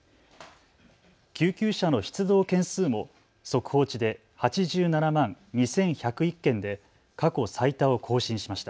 救急車の出動件数も速報値で８７万２１０１件で過去最多を更新しました。